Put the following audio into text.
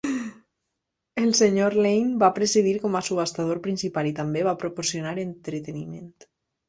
El senyor Lane va presidir com a subhastador principal i també va proporcionar entreteniment.